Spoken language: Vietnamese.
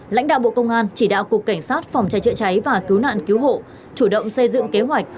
lãnh đạo bộ công an chỉ đạo cục cảnh sát phòng cháy chữa cháy và cứu nạn cứu hộ chủ động xây dựng kế hoạch